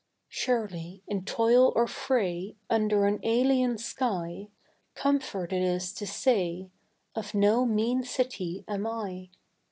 Surely in toil or fray Under an alien sky, Comfort it is to say: "Of no mean city am I."